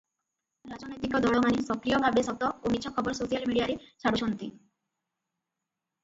ରାଜନୈତିକ ଦଳମାନେ ସକ୍ରିୟ ଭାବେ ସତ ଓ ମିଛ ଖବର ସୋସିଆଲ ମିଡ଼ିଆରେ ଛାଡୁଛନ୍ତି ।